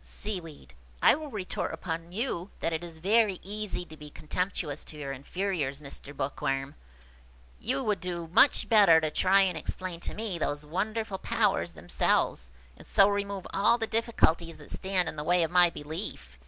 Seaweed. "I will retort upon you that it is very easy to be contemptuous to your inferiors, Mr. Bookworm. You would do much better to try and explain to me those wonderful powers themselves, and so remove all the difficulties that stand in the way of my belief."